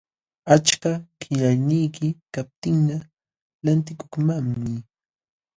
Achka qillayniyki kaptinqa lantikukmanmi.